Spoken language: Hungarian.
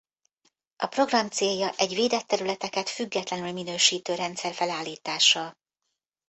A program célja egy védett területeket függetlenül minősítő rendszer felállítása.